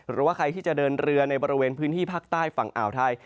หรือว่าใครที่จะเดินเรือในบริเวณพื้นที่ภาคใต้ฝั่งอ่าวไทย